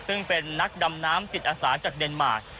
ซึ่งเป็นนักดำน้ำจิตอาสาจากเดนมาร์